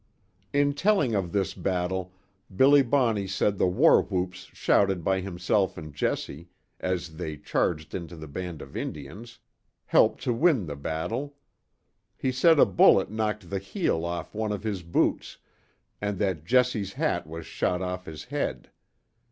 In telling of this battle, Billy Bonney said the war whoops shouted by himself and Jesse, as they charged into the band of Indians, helped to win the battle. He said a bullet knocked the heel off one of his boots, and that Jesse's hat was shot off his head.